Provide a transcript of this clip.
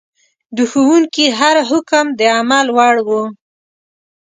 د ښوونکي هر حکم د عمل وړ و.